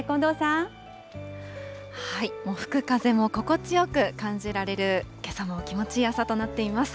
もう吹く風も心地よく感じられる、けさも気持ちいい朝となっています。